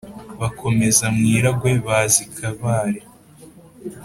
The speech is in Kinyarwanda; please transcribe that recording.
Bakomeza mu Iragwe, baza i Kabare,